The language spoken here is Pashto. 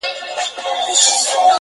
د ُملا په څېر به ژاړو له اسمانه.!